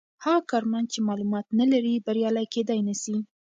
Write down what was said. هغه کارمند چې معلومات نلري بریالی کیدای نسي.